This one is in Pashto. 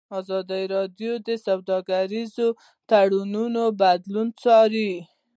ازادي راډیو د سوداګریز تړونونه بدلونونه څارلي.